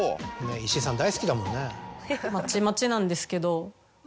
石井さん大好きだもんね。